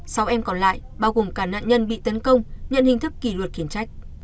sáu em còn lại bao gồm cả nạn nhân bị tấn công nhận hình thức kỷ luật khiển trách